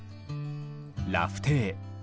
ラフテー。